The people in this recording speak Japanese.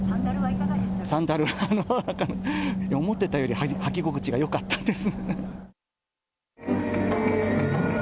サンダルは、思っていたより履き心地がよかったです。